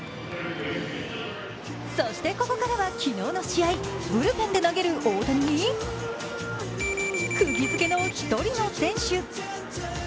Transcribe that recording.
そしてここからは昨日の試合、ブルペンで投げる大谷にくぎづけの１人の選手。